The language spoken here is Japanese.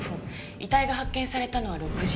遺体が発見されたのは６時。